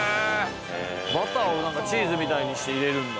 バターを何かチーズみたいにして入れるんだ。